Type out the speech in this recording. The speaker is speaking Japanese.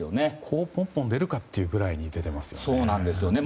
こうポンポン出るかというくらい出ていますよね。